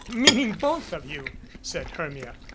"Meaning both of you," said Hermia.